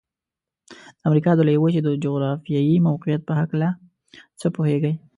د امریکا د لویې وچې د جغرافيايي موقعیت په هلکه څه پوهیږئ؟